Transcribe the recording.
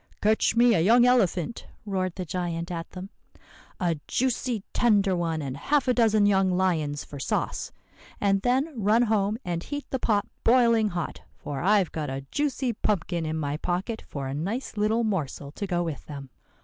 "'Catch me a young elephant,' roared the giant at them. 'A juicy, tender one, and half a dozen young lions for sauce. And then run home and heat the pot boiling hot; for I've got a juicy pumpkin in my pocket for a nice little morsel to go with them.